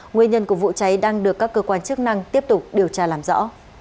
nguyên nhân của vụ cháy đang được các cơ quan chức năng tiếp tục điều tra làm rõ